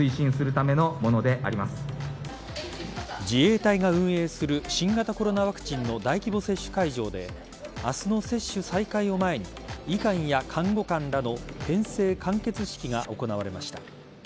自衛隊が運営する新型コロナワクチンの大規模接種会場で明日の接種再開を前に医官や看護官らの編成完結式が行われました。